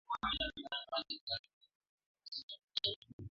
Rais Kenyatta Aprili nne aliidhinisha shilingi bilioni thelathini na nne